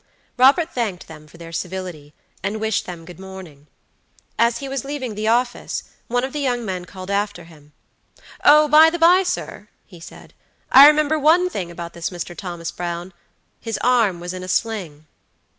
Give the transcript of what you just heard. Robert thanked them for their civility, and wished them good morning. As he was leaving the office, one of the young men called after him: "Oh, by the by, sir," he said, "I remember one thing about this Mr. Thomas Brownhis arm was in a sling."